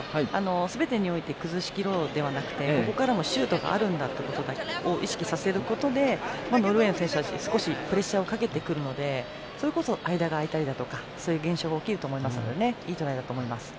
すべてにおいて崩しきろうではなくてここからもシュートがあるんだということを意識させることでノルウェーの選手たち少しプレッシャーをかけてくるのでそれこそ、間が空いたりとかそういう現象が起きると思いますのでいい形だと思います。